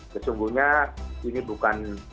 sesungguhnya ini bukan